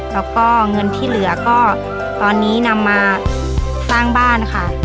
แล้วก็เงินที่เหลือก็ตอนนี้นำมาสร้างบ้านค่ะ